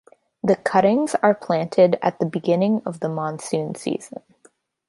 The cuttings are planted at the beginning of the monsoon season.